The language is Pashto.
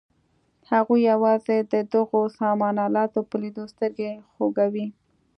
هغه یوازې د دغو سامان الاتو په لیدلو سترګې خوږوي.